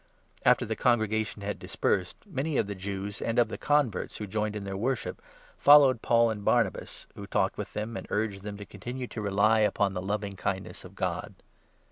After the congregation had dispersed, many of the 43 Jews, and of the converts who joined in their worship, followed Paul and Barnabas, who talked with them and urged them to continue to rely upon the loving kindness of God.